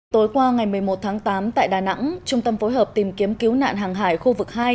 tối qua ngày một mươi một tháng tám tại đà nẵng trung tâm phối hợp tìm kiếm cứu nạn hàng hải khu vực hai